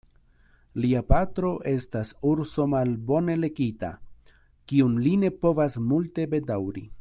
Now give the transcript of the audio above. Lia patro estas urso malbone lekita, kiun li ne povas multe bedaŭri.